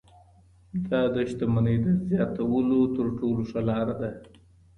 دا د شتمنۍ د زیاتولو تر ټولو ښه لار ده.